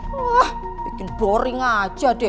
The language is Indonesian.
wah bikin boring aja deh